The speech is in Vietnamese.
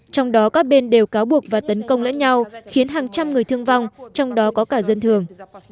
trong đó các bên đều cáo buộc và tấn công lẫn nhau khiến hàng trăm người thương vong trong đó có cả dân thường